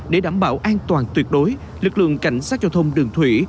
để đảm bảo an toàn tuyệt đối lực lượng cảnh sát giao thông đường thủy